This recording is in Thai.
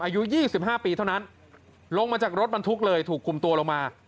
อายุ๒๕ปีเท่านั้นลงมาจากรถบรรทุกเลยถูกคุมตัวลงมา